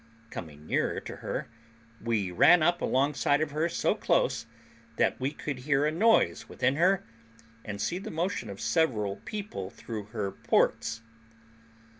Coming nearer to her, we ran up alongside of her so close that we could hear a noise within her, and see the motion of several people through her ports.